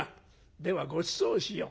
ではごちそうしよう。